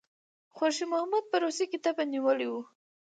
خوشي محمد په روسیې کې تبه نیولی وو.